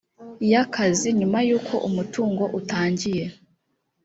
y akazi nyuma y uko umutungo utangiye